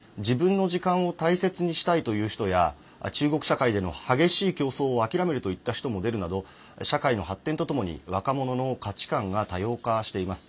一方、リポートの中で紹介したように、自分の時間を大切にしたいという人や中国社会での、激しい競争を諦めるといった人も出るなど社会の発展とともに若者の価値観が多様化しています。